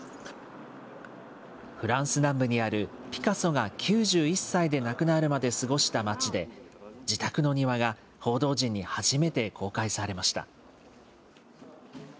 フランス南部にある、ピカソが９１歳で亡くなるまで過ごした町で、自宅の庭が報道陣に初めて公開されました。